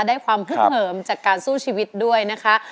ได้ความพึกเหิมจากการสู้ชีวิตด้วยนะคะ